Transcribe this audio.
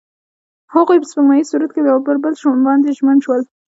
هغوی په سپوږمیز سرود کې پر بل باندې ژمن شول.